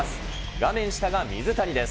画面下が水谷です。